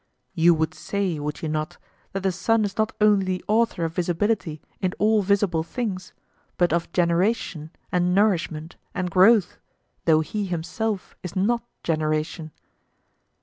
You would say, would you not, that the sun is not only the author of visibility in all visible things, but of generation and nourishment and growth, though he himself is not generation?